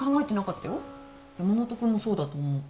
山本君もそうだと思う。